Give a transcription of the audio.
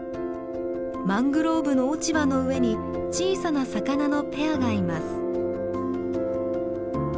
マングローブの落ち葉の上に小さな魚のペアがいます。